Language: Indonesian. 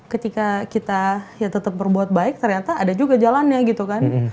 ketika kita ya tetap berbuat baik ternyata ada juga jalannya gitu kan